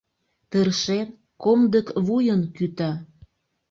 Тыршен, комдык вуйын кӱта.